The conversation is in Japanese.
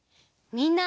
みんな！